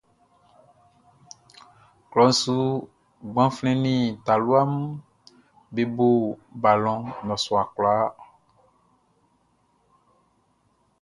Klɔʼn su gbanflɛn nin talua mun be bo balɔn nnɔsua kwlaa.